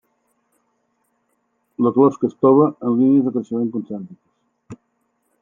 La closca és tova amb línies de creixement concèntriques.